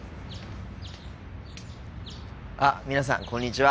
あ皆さんこんにちは。